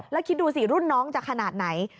แล้วคิดดูสิรุ่นน้องจะขนาดไหน